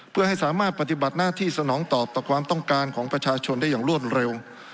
เพื่อให้สามารถปฏิบัติหน้าที่สนองตอบต่อความต้องการของประชาชนได้อย่างรวดเร็ว